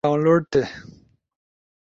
می ڈیٹا ڈاونلوڈ تھی